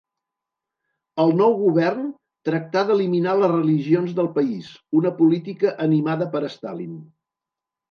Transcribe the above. El nou govern tractà d'eliminar les religions del país, una política animada per Stalin.